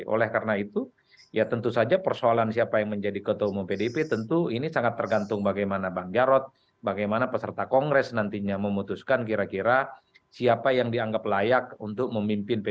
oleh karena itu ya tentu saja persoalan siapa yang menjadi ketua umum pdip tentu ini sangat tergantung bagaimana bang jarod bagaimana peserta kongres nantinya memutuskan kira kira siapa yang dianggap layak untuk memimpin p tiga